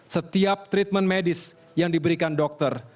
setiap treatment medis yang diberikan dokter